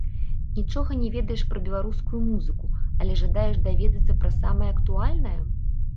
Нічога не ведаеш пра беларускую музыку, але жадаеш даведацца пра самае актуальнае?